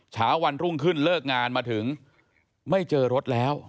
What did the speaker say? เช้าวันรุ่งขึ้นเลิกงานมาถึงไม่เจอรถแล้ว